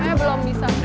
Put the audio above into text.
eh belum bisa